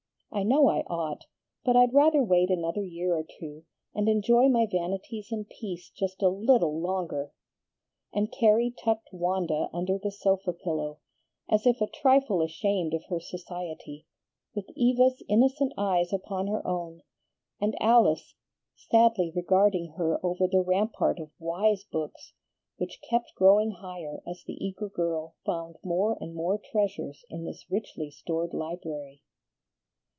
I know I ought, but I'd rather wait another year or two, and enjoy my vanities in peace just a LITTLE longer." And Carrie tucked Wanda under the sofa pillow, as if a trifle ashamed of her society, with Eva's innocent eyes upon her own, and Alice sadly regarding her over the rampart of wise books, which kept growing higher as the eager girl found more and more treasures in this richly stored library.